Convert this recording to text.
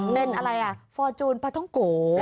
เป็นอะไรอ่ะฟอร์จูนปลาท้องโก